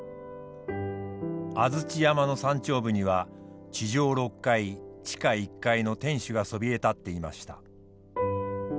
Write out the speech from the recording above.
安土山の山頂部には地上６階地下１階の天主がそびえ立っていました。